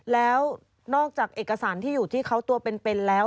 แล้วนอกจากเอกสารที่อยู่ที่เขาตัวเป็นแล้ว